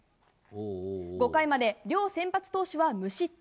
５回まで両先発投手は無失点。